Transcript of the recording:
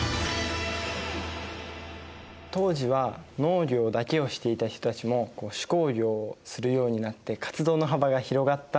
当時は農業だけをしていた人たちも手工業をするようになって活動の幅が広がったんですね。